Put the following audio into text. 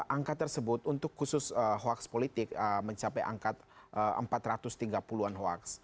angka tersebut untuk khusus hoax politik mencapai angka empat ratus tiga puluh an hoax